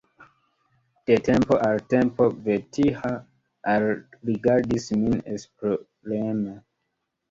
De tempo al tempo Vetiha alrigardis min esploreme.